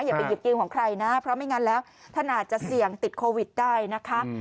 อย่าไปหยิบยืมของใครนะเพราะไม่งั้นแล้วท่านอาจจะเสี่ยงติดโควิดได้นะคะ